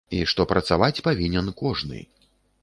І што працаваць павінен кожны.